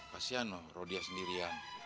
kasian loh rodia sendirian